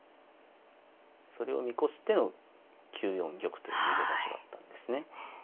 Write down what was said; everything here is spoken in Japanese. それを見越しての９四玉という逃げ場所だったんですね。